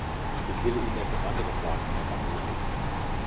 Ich will Ihnen etwas anderes sagen, Herr Barroso.